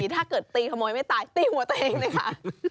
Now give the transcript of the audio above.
ถ้าเกิดตีขโมยไม่ตายตีหัวตัวเองเลยค่ะ